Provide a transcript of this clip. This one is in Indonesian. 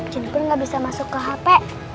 jennifer gak bisa masuk ke hape